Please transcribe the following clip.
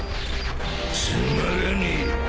つまらねえ。